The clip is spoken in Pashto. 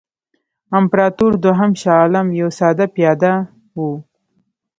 امپراطور دوهم شاه عالم یو ساده پیاده وو.